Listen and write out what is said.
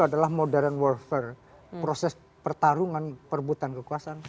adalah modern warfer proses pertarungan perbutan kekuasaan